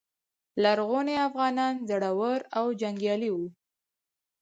لرغوني افغانان زړور او جنګیالي وو